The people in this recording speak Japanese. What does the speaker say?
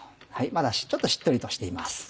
まだちょっとしっとりとしています。